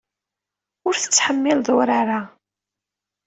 Ur tettḥemmileḍ urar-a.